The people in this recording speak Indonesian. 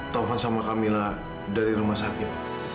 taufan sama kamilah dari rumah sakit